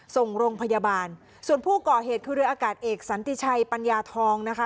ส่งโรงพยาบาลส่วนผู้ก่อเหตุคือเรืออากาศเอกสันติชัยปัญญาทองนะคะ